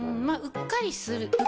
まあうっかりする。